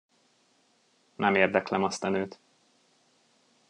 Nem érdeklem azt a nőt.